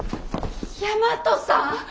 大和さん！